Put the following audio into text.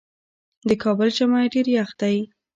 د کابل ژمی ډیر یخ دی